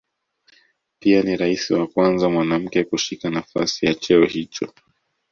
Pia ni rais wa kwanza mwanamke kushika nafasi ya cheo hicho